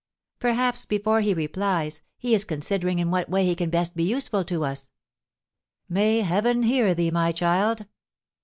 "Perhaps, before he replies, he is considering in what way he can best be useful to us." "May Heaven hear thee, my child!"